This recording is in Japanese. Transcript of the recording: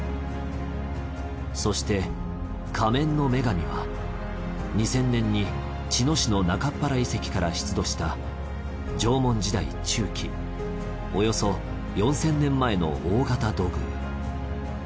そして仮面の女神は２０００年に茅野市の中ッ原遺跡から出土した縄文時代中期およそ４０００年前の大型土偶。